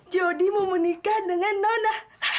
jody mau menikah dengan nona